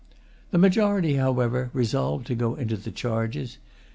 The majority, however, resolved to go into the charges.